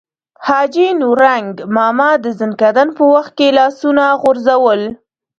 حاجي نورنګ ماما د ځنکدن په وخت کې لاسونه غورځول.